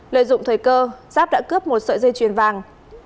lợi dụng thời cơ giáp đã cướp một sợi dây chuyền vàng